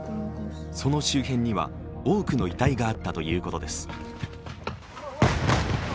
その周辺には多くの遺体があったということです。